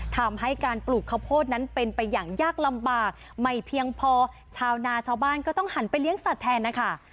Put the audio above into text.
ทำให้การปลูกข้าวโพดนั้นเป็นไปอย่างยากลำบากไม่เพียงพอชาวนาชาวบ้านก็ต้องหันไปเลี้ยงสัตว์แทนนะคะ